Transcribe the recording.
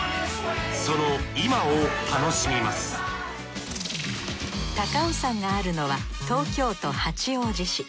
その今を楽しみます高尾山があるのは東京都八王子市。